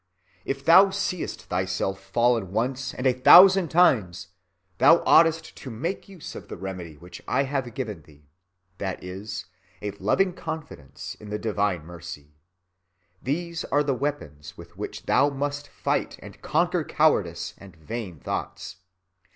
If thou seest thyself fallen once and a thousand times, thou oughtest to make use of the remedy which I have given thee, that is, a loving confidence in the divine mercy. These are the weapons with which thou must fight and conquer cowardice and vain thoughts.